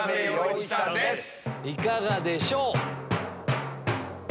いかがでしょう？